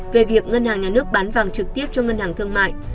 về việc ngân hàng nhà nước bán vàng trực tiếp cho ngân hàng thương mại